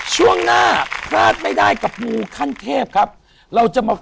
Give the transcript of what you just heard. ช่วงหน้าพลาดไม่ได้กับหมู่ขั้นเทพครับ